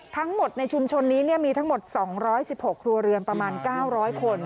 ทั้งหมดในชุมชนนี้มีทั้งหมด๒๑๖ครัวเรือนประมาณ๙๐๐คน